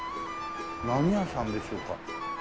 何屋さんでしょうか？